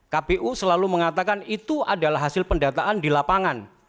kpu selalu mengatakan itu adalah hasil pendataan di lapangan